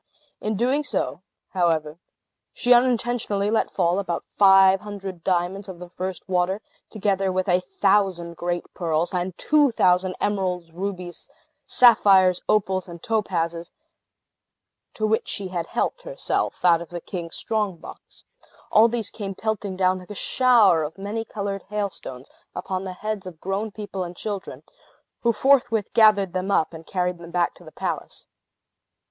In so doing, however, she unintentionally let fall about five hundred diamonds of the first water, together with a thousand great pearls, and two thousand emeralds, rubies, sapphires, opals, and topazes, to which she had helped herself out of the king's strong box. All these came pelting down, like a shower of many colored hailstones, upon the heads of grown people and children, who forthwith gathered them up, and carried them back to the palace.